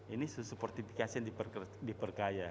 ini susu portifikasi yang diperkaya